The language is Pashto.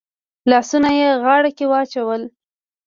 لاسونه يې غاړه کې واچول.